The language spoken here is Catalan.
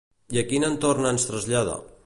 I a quin entorn ens trasllada?